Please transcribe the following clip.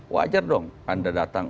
wajar dong anda datang